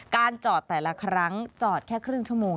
การจอดแต่ละครั้งจอดแค่ครึ่งชั่วโมง